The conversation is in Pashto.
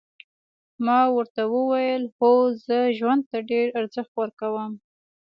ما ورته وویل هو زه ژوند ته ډېر ارزښت ورکوم.